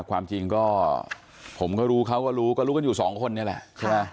ก็รู้เขาก็รู้ก็รู้กันอยู่สองคนนี้แหละ